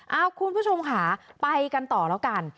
เอาคุณผู้ชมค่ะไปกันต่อแล้วกัน